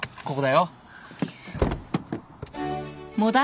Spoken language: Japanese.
ここだよ。